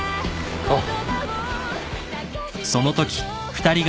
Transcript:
おう。